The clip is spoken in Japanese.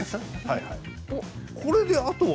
これであとは。